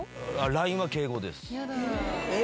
ＬＩＮＥは敬語です。え？